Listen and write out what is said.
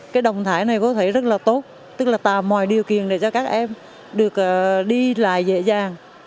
cái động thái này có thể rất là tốt tức là tạo mọi điều kiện để cho các em được đi lại dễ dàng